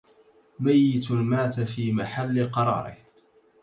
ميت مات في محل قراره